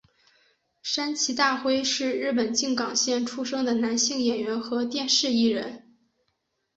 山崎大辉是日本静冈县出生的男性演员和电视艺人。